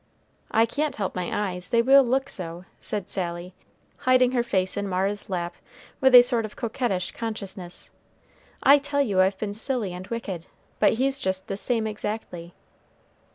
"I can't help my eyes; they will look so," said Sally, hiding her face in Mara's lap with a sort of coquettish consciousness. "I tell you I've been silly and wicked; but he's just the same exactly."